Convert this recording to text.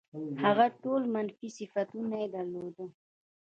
هغه ټول منفي صفتونه یې درلودل.